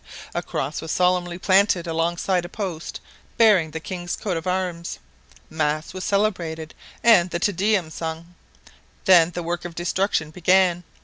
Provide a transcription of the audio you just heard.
A cross was solemnly planted alongside a post bearing the king's coat of arms. Mass was celebrated and the Te Deum sung. Then the work of destruction began.